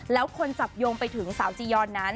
แล้วคนจับโยงไปถึงสาวจียอนนั้น